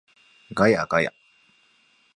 ガヤガヤ